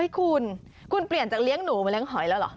คุณคุณเปลี่ยนจากเลี้ยงหนูมาเลี้ยหอยแล้วเหรอ